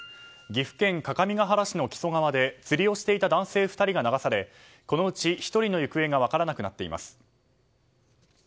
岐阜県各務原市の木曽川で釣りをしていた男性２人が流されこのうち１人の行方が分からなくなっています。